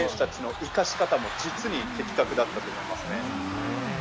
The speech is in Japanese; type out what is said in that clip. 周りの選手の生かし方も実に的確だったと思いますね。